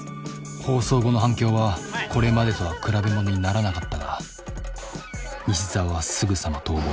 放送後の反響はこれまでとは比べものにならなかったが西澤はすぐさま逃亡。